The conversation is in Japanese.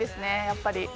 やっぱり。